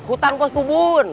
utang bos bubun